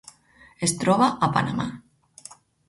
Es troba a Panamà.